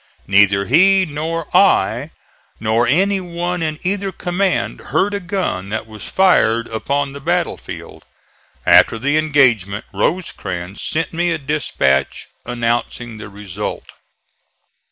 Neither he nor I nor any one in either command heard a gun that was fired upon the battle field. After the engagement Rosecrans sent me a dispatch announcing the result.